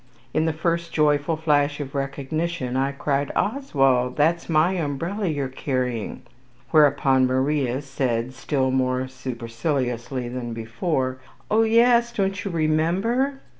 In the first joyful flash of recognition I cried, 'Oswald, that is my umbrella you are carrying!' whereupon Maria said still more superciliously than before, 'Oh, yes, don't you remember?'